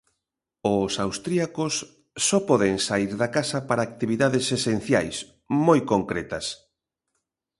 Os austríacos só poden saír da casa para actividades esenciais, moi concretas.